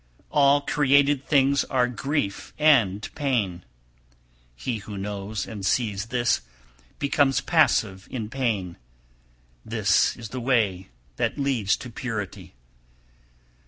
278. `All created things are grief and pain,' he who knows and sees this becomes passive in pain; this is the way that leads to purity.